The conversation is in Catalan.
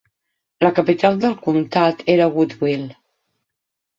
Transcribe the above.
La capital del comtat era Woodville.